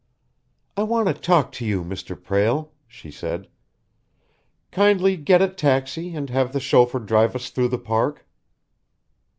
"I want to talk to you, Mr. Prale," she said. "Kindly get a taxi and have the chauffeur drive us through the Park."